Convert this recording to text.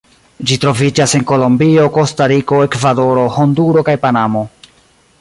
Ĝi troviĝas en Kolombio, Kostariko, Ekvadoro, Honduro, kaj Panamo.